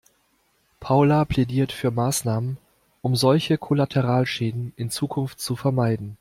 Paula plädiert für Maßnahmen, um solche Kollateralschäden in Zukunft zu vermeiden.